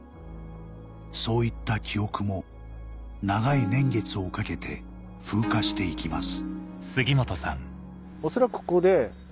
そういった記憶も長い年月をかけて風化して行きます